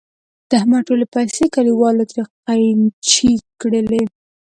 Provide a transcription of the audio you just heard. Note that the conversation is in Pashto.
د احمد ټولې پیسې کلیوالو ترې قېنچي کړلې.